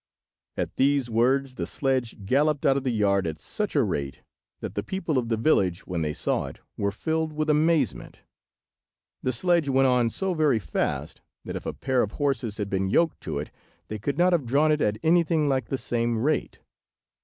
At these words the sledge galloped out of the yard at such a rate that the people of the village, when they saw it, were filled with amazement. The sledge went on so very fast, that if a pair of horses had been yoked to it they could not have drawn it at anything like the same rate.